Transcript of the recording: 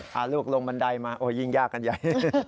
พาลูกลงบันไดมาโอ้ยิ่งยากกันใหญ่